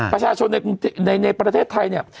ประชาชนในประเทศไทยเนี่ย